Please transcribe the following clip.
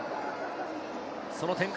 その展開